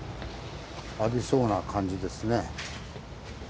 ありそうな感じですね。